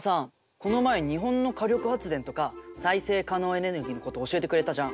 この前日本の火力発電とか再生可能エネルギーのこと教えてくれたじゃん？